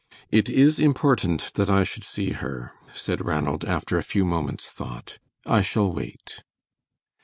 "It is important that I should see her," said Ranald, after a few moments' thought. "I shall wait."